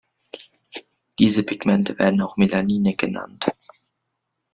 Diese Pigmente werden auch Melanine genannt.